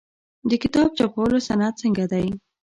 د کتاب چاپولو صنعت څنګه دی؟